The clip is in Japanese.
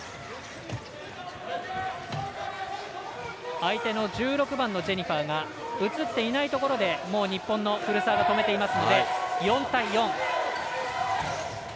相手の１６番のジェニファーが映っていないところで日本の古澤を止めていました。